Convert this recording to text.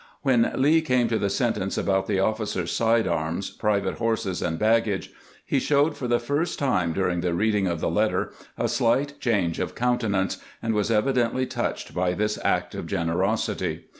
When Lee came to the sentence about the officers' side arms, private horses, and baggage, he showed for the first time during the reading of the letter a slight change of countenance, and was evidently touched by this act of generosity.